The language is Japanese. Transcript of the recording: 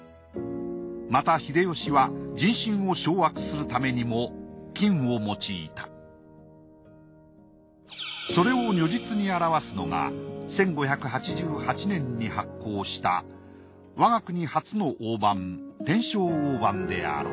また秀吉は人心を掌握するためにも金を用いたそれを如実に表すのが１５８８年に発行した我が国初の大判天正大判であろう。